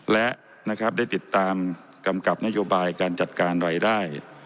และนะครับได้ติดตามกำกับนโยบายการจัดการรายได้